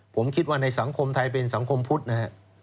ผมคิดว่าในสังคมไทยเป็นสังคมพุทธนะฮะ